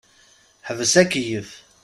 Ḥbes akeyyef.